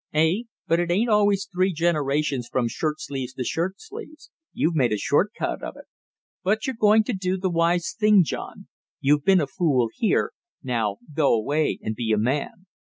Eh? But it ain't always three generations from shirt sleeves to shirt sleeves; you've made a short cut of it! But you're going to do the wise thing, John; you've been a fool here, now go away and be a man!